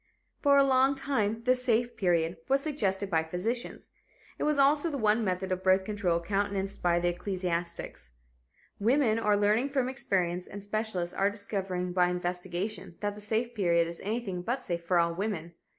For a long time the "safe period" was suggested by physicians. It was also the one method of birth control countenanced by the ecclesiastics. Women are learning from experience and specialists are discovering by investigation that the "safe period" is anything but safe for all women.